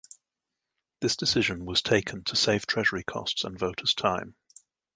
This decision was taken "to save treasury costs and voters time".